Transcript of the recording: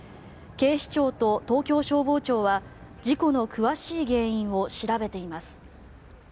警視庁と東京消防庁は事故の詳しい原因を調べています。